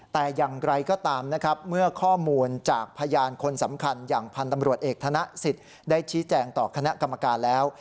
แต่อย่างไรก็ตามนะครับเมื่อข้อมูลจากพยานคนสำคัญอย่างพันธ์ตำรวจเอกธนสิทธิ์ได้ชี้แจงต่อคณะกรรมการแล้ว